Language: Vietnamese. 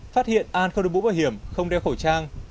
phát hiện an không đối mũ bảo hiểm không đeo khẩu trang